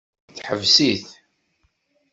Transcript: Teḥbes-it.